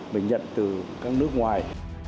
mình nhận từ các nước ngoài